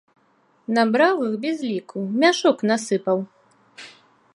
Набраў іх без ліку, у мяшок насыпаў!